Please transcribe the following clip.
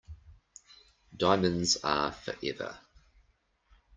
Diamonds are forever.